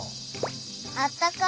あったかい。